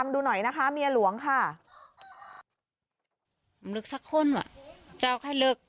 ได้เจ๊